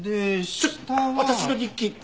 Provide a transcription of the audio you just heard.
ちょっと私の日記私の。